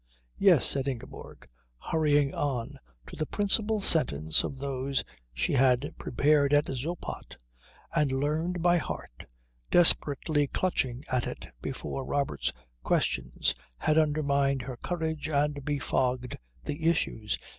"Yes," said Ingeborg, hurrying on to the principal sentence of those she had prepared at Zoppot and learned by heart, desperately clutching at it before Robert's questions had undermined her courage and befogged the issues.